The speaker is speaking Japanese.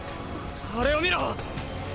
あれを見ろ！！